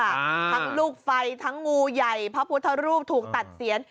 ทั้งลูกไฟทั้งงูใหญ่พระพุทธรูปถูกตัดเสียน